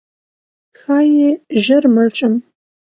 ښایي ژر مړ شم؛